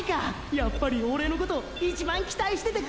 やっぱりオレのこと一番期待しててくれたんやな！！